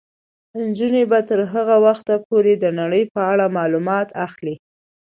نجونې به تر هغه وخته پورې د نړۍ په اړه معلومات اخلي.